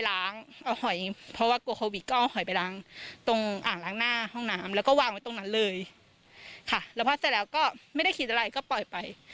แล้วพอเสร็จแล้วก็ไม่ได้คิดอะไรก็ปล่อยไป